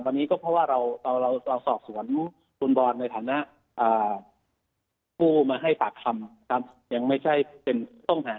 ตอนนี้ซอบสวนคุณบอลในฐานะผู้ให้ฝากคำ